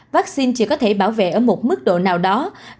vaccine chỉ có thể bảo vệ ở một mức độ nào đó